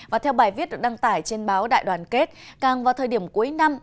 và theo bài viết được đăng tải trên báo đại đoàn kết càng vào thời điểm cuối năm